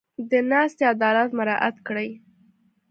د ناستې عدالت مراعت کړي.